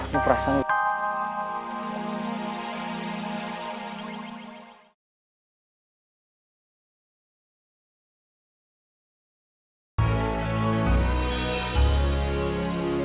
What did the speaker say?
lo perasaan gak